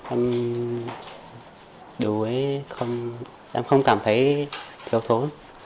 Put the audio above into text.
em đuối em không cảm thấy thiếu thốn